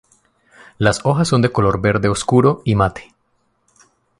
Las hojas son de color verde oscuro y mate.